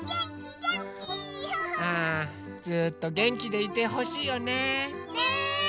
ずっとげんきでいてほしいよね。ねぇ！